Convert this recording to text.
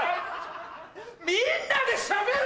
みんなでしゃべるな！